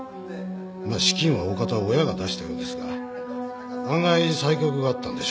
まあ資金は大方親が出したようですが案外才覚があったんでしょう